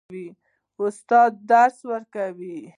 استاد درس ورکوي.